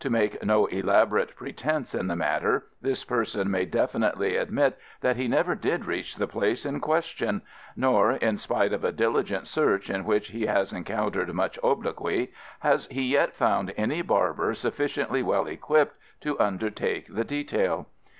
To make no elaborate pretence in the matter this person may definitely admit that he never did reach the place in question, nor in spite of a diligent search in which he has encountered much obloquy has he yet found any barber sufficiently well equipped to undertake the detail.